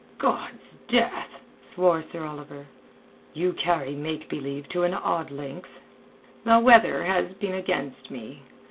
"God's death!" swore Sir Oliver. "You carry make believe to an odd length." "The weather has been against me.